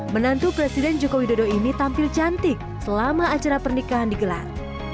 menantu presiden joko widodo ini tampil cantik selama acara pernikahan digelar